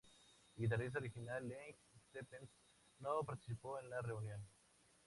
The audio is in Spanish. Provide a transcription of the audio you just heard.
El guitarrista original Leigh Stephens no participó en la reunión.